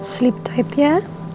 sleep tight ya